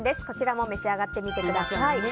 こちらも召し上がってみてください。